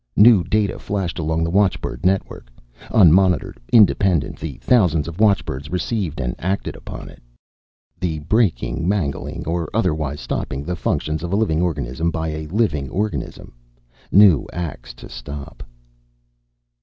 New data flashed along the watchbird network. Unmonitored, independent, the thousands of watchbirds received and acted upon it. _The breaking, mangling or otherwise stopping the functions of a living organism by a living organism. New acts to stop.